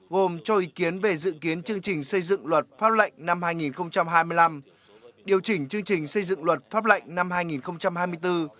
gồm cho ý kiến về dự kiến chương trình xây dựng luật pháp lệnh năm hai nghìn hai mươi năm điều chỉnh chương trình xây dựng luật pháp lệnh năm hai nghìn hai mươi bốn